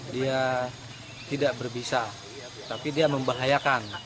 dia tidak berbisa tapi dia membahayakan